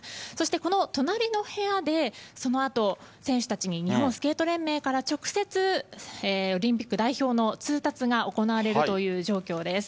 この隣の部屋でその後、選手たちに日本スケート連盟から直接オリンピック代表の通達が行われるという状況です。